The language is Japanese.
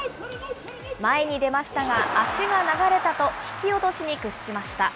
前に出ましたが、足が流れたと、引き落としに屈しました。